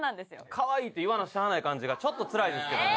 可愛いと言わなしゃあない感じがちょっとつらいですけどね。